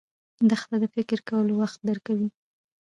دښته د فکر کولو وخت درکوي.